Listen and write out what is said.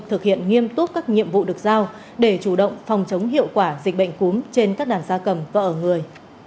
thực hiện nghiêm túc các nhiệm vụ được giao để chủ động phòng chống hiệu quả dịch bệnh cúm trên các đàn gia cầm và ở người